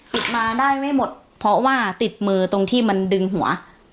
ติดมาได้ไม่หมดเพราะว่าติดมือตรงที่มันดึงหัว